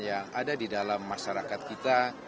yang ada di dalam masyarakat kita